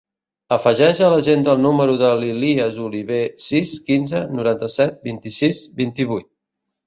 Afegeix a l'agenda el número de l'Ilías Oliver: sis, quinze, noranta-set, vint-i-sis, vint-i-vuit.